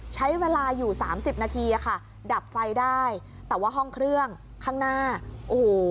ใช้เวลาอยู่สามสิบนาทีอะค่ะดับไฟได้แต่ว่าห้องเครื่องข้างหน้าโอ้โห